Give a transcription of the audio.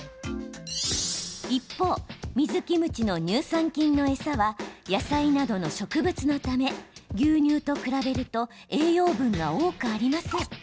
一方、水キムチの乳酸菌の餌は野菜などの植物のため牛乳と比べると栄養分が多くありません。